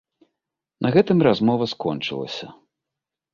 На гэтым размова скончылася.